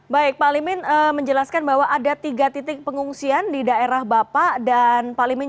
baik pak limin menjelaskan bahwa ada tiga titik pengungsian di daerah bapak dan pak limin